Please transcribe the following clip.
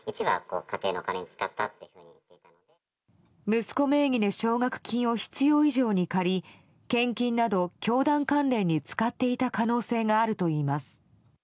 息子名義で奨学金を必要以上に借り献金など教団関連に使っていた可能性があるといいます。